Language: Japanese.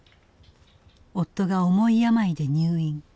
夫が重い病で入院。